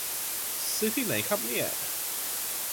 ซื้อที่ไหนครับเนี่ย